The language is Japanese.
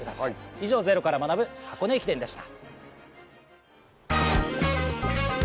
以上ゼロから学ぶ箱根駅伝でした。